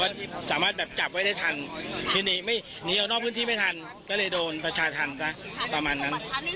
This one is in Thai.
การเข้ามาสร้างสถานะการในบริเวณพื้นที่ชุมนุมหรือเปล่า